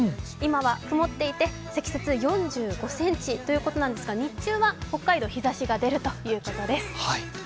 今は曇っていて積雪４５ｃｍということなんですが、日中は北海道日ざしが出るということです。